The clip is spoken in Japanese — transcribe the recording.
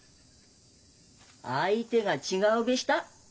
相手が違うべした。